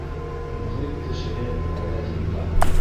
Мәғриб кешеһе Аладдинға: